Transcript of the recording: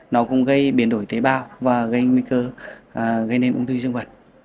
nó cũng gây biến đổi tế bào và gây nguy cơ gây nên ung thư dương vật